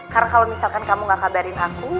karena kalau misalkan kamu gak kabarin aku